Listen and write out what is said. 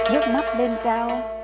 nước mắt lên cao